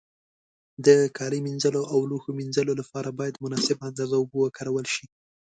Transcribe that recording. د کالي مینځلو او لوښو مینځلو له پاره باید مناسبه اندازه اوبو وکارول شي.